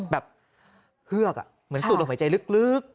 แบบฮือกอ่ะเหมือนสูดลบหายใจลึก